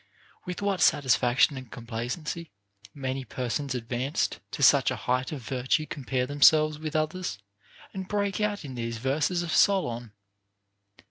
With what satisfaction and complacency many persons advanced to such a height of virtue compare themselves with others, and break out in these verses of Solon